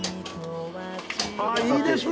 いいですね！